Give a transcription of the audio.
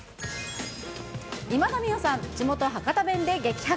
今田美桜さん、地元、博多弁で激白。